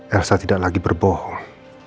elsa tidak lagi berbohong